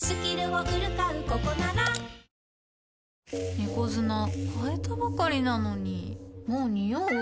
猫砂替えたばかりなのにもうニオう？